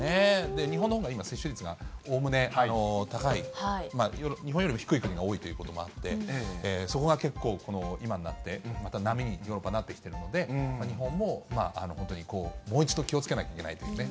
日本のほうが今、接種率がおおむね高い、日本よりも低い国が多いということもあって、そこが結構、今になってまた波になってきているので、日本も本当にもう一度気をつけなきゃいけないというね。